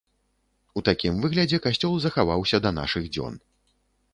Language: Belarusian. У такім выглядзе касцёл захаваўся да нашых дзён.